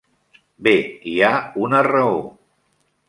Bé, hi ha una raó.